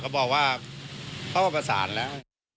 เขาบอกว่าเขาก็ประสานแล้ว